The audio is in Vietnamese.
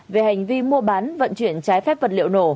về hành vi mua bán vận chuyển trái phép vật liệu nổ